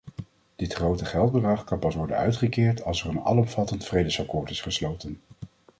Dit grote geldbedrag kan pas worden uitgekeerd als er een alomvattend vredesakkoord is gesloten.